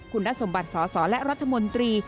คุณสมบัติสอสอและรัฐมนตรี